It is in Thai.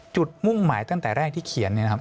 จุดมุ่งหมายตั้งแต่แรกที่เขียน